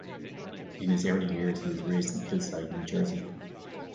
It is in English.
In his early years he was raised in Hillside, New Jersey.